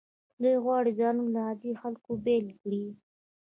دوی غواړي ځانونه له عادي خلکو بیل کړي.